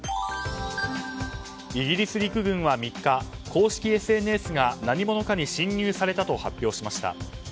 イギリス陸軍は３日公式ＳＮＳが、何者かに侵入されたと発表しました。